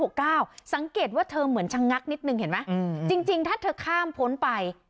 สังเกตว่าเธอเหมือนชะงักนิดนึงเห็นไหมจริงถ้าเธอข้ามพ้นไป